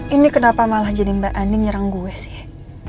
ini kenapa malah jadi mbak ani nyerang gue sih